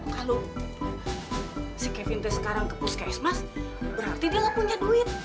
kalau si kevin teh sekarang ke puskesmas berarti dia lah punya duit